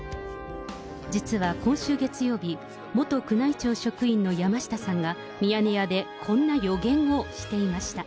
実は今週月曜日、元宮内庁職員の山下さんが、ミヤネ屋でこんな予言をしていました。